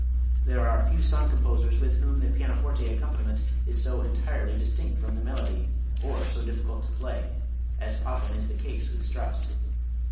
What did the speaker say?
There are few song composers with whom the pianoforte accompaniment is so entirely distinct from the melody (or so difficult to play), as often is the case with Strauss.